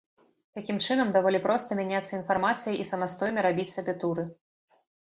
Такім чынам даволі проста мяняцца інфармацыяй і самастойна рабіць сабе туры.